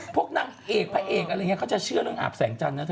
นางเอกพระเอกอะไรอย่างนี้เขาจะเชื่อเรื่องอาบแสงจันทร์นะเธอ